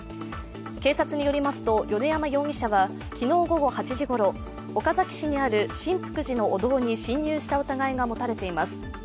警察によりますと、米山容疑者は昨日午後８時ごろ、岡崎市にある真福寺のお堂に侵入した疑いが持たれています。